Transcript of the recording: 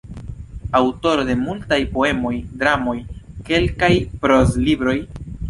Aŭtoro de multaj poemoj, dramoj, kelkaj proz-libroj.